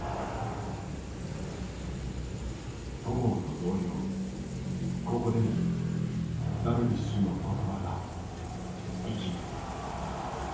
戸郷と同様ここでもダルビッシュの言葉が生きる。